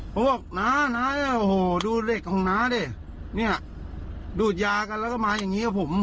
เขาบอกน้าน้าเนี่ยโอ้โหดูเหล็กของน้าดิเนี่ยดูดยากันแล้วก็มาอย่างงี้กับผม